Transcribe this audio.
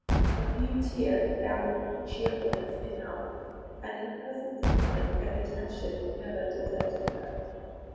A few tears balanced cheerfulness enough, and her presence of mind and attention never deserted her.